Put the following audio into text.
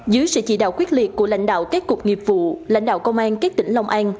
dưới sự chỉ đạo quyết liệt của lãnh đạo các cục nghiệp vụ lãnh đạo công an các tỉnh long an